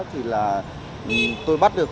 thì là tôi bắt được